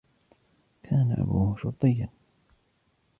كان أبوه شرطيا.